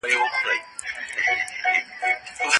تاسي کله د هیواد د اقتصاد د ښه کېدو په اړه فکر وکړی؟